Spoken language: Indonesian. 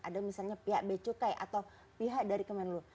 ada misalnya pihak becokai atau pihak dari kemenlo